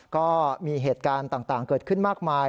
ก็มีเหตุการณ์ต่างเกิดขึ้นมากมาย